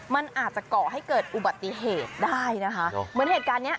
มันอาจจะก่อให้เกิดอุบัติเหตุได้นะคะเหมือนเหตุการณ์เนี้ย